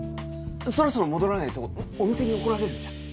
そろそろ戻らないとお店に怒られるんじゃ？